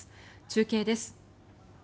中継です。